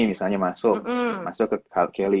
misalnya masuk ke kelly